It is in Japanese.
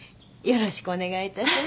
よろしくお願いします。